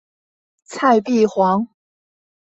蔡璧煌。